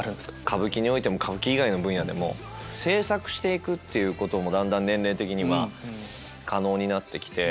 歌舞伎も歌舞伎以外の分野でも制作して行くっていうこともだんだん年齢的には可能になって来て。